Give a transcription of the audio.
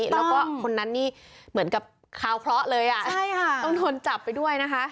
แล้วก็คนนั้นนี่เหมือนกับคาวเคราะห์เลยต้องโดนจับไปด้วยนะคะ